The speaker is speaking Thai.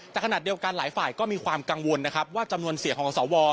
แต่ขณะเดียวกันหลายฝ่ายก็มีความกังวลนะครับว่าจำนวนเสียงของสว